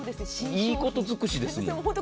いいこと尽くしですもん。